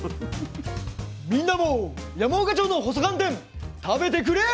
みんなも山岡町の細寒天食べてくれ！